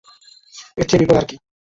এরচেয়ে বিপদ আর কী?